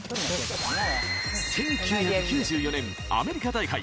１９９４年アメリカ大会。